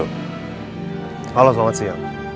halo selamat siang